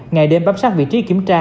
ngày đêm bám sát vị trí kiểm tra